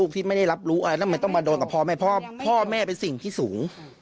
ทำไมต้องมาโดนกับพ่อแม่พ่อแม่เป็นสิ่งที่สูง